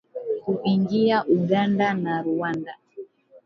kuingia Uganda na Rwanda